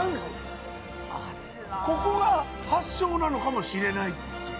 ここが発祥なのかもしれないっていう。